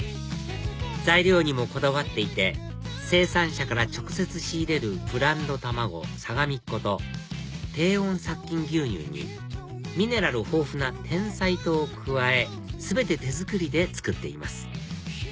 材料にもこだわっていて生産者から直接仕入れるブランド卵さがみっこと低温殺菌牛乳にミネラル豊富なてんさい糖を加え全て手作りで作っています